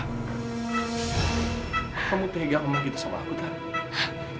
kok kamu pegang emang gitu sama aku tante